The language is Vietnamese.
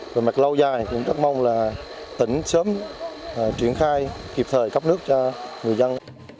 và mặt lâu dài cũng rất mong là tỉnh sớm truyền khai kịp thời cấp nước cho người dân